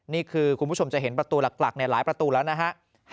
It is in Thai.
คุณผู้ชมจะเห็นประตูหลักหลายประตูแล้วนะฮะ